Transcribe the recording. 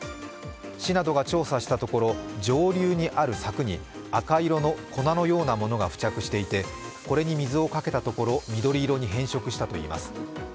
市などが調査したところ、上流にある柵に赤色の粉のようなものが付着していて、これに水をかけたところ、緑色に変色したといいます。